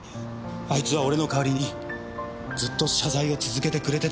あいつは俺の代わりにずっと謝罪を続けてくれてたんです。